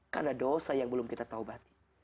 karena dosa yang belum kita tobat